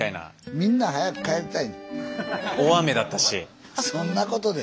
みんな早く帰りたい。